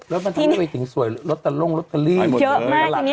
รถบรรทุกสวยรถตะลุ้งรถตะลี่เยอะมากทีนี้